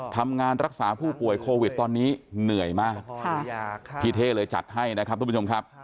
ทำงานรักษาผู้ป่วยโควิดตอนนี้เหนื่อยมากพี่เท่เลยจัดให้นะครับทุกผู้ชมครับ